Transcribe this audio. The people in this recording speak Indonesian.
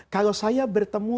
kalau saya bertemu